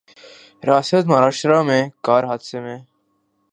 ریاست مہاراشٹرا میں کار حادثے میں